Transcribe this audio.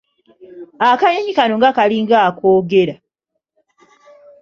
Akanyonyi kano nga kalinga akoogera!